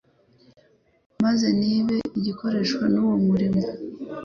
maze ntibe igikoreshwa uwo murimo.